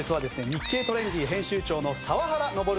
『日経トレンディ』編集長の澤原昇さんです。